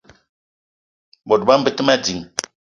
Bot bama be te ma ding.